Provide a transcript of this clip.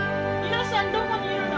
皆さんどこにいるの？